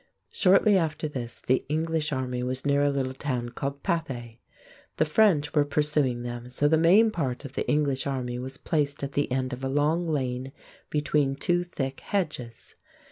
Shortly after this the English army was near a little town called Pathay. The French were pursuing them; so the main part of the English army was placed at the end of a long lane between two thick hedges.